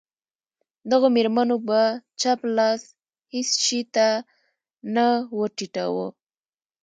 دغو مېرمنو به چپ لاس هېڅ شي ته نه ور ټیټاوه.